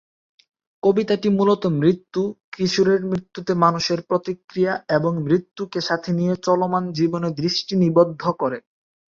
কবিতাটি মূলত মৃত্যু, কিশোরের মৃত্যুতে মানুষের প্রতিক্রিয়া এবং মৃত্যুকে সাথে নিয়ে চলমান জীবনে দৃষ্টি নিবদ্ধ করে।